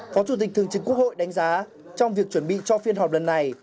phó chủ tịch thường trực quốc hội đánh giá trong việc chuẩn bị cho phiên họp lần này